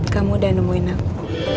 kamu udah nemuin aku